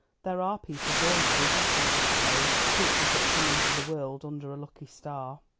There are people born to be happy, I suppose; creatures that come into the world under a lucky star."